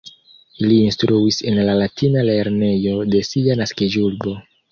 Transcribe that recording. Li instruis en la Latina Lernejo de sia naskiĝurbo.